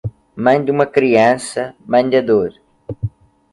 Mãe de uma criança, mãe da dor.